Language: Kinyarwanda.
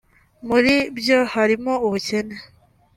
Muri byo harimo ubukene